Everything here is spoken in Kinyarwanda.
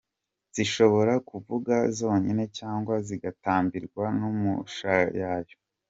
Zishobora kuvuga zonyine cyangwa zigatambirwa n’umushayayo.